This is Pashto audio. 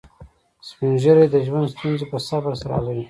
سپین ږیری د ژوند ستونزې په صبر سره حلوي